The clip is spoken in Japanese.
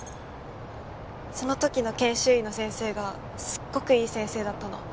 その時の研修医の先生がすっごくいい先生だったの。